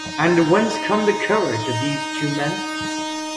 And whence come the courage of these two men?